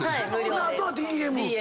あとはＤＭ。